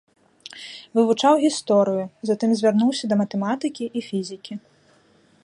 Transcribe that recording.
Вывучаў гісторыю, затым звярнуўся да матэматыкі і фізікі.